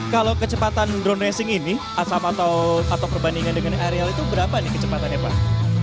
kalau kecepatan drone racing ini asap atau perbandingan dengan areal itu berapa nih kecepatannya pak